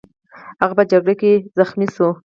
هغه په جګړه کې ټپي شو